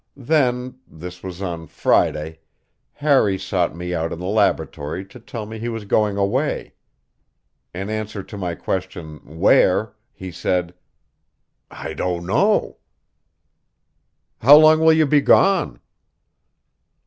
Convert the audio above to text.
Then this was on Friday Harry sought me out in the laboratory to tell me he was going away. In answer to my question, "Where?" he said, "I don't know." "How long will you be gone?"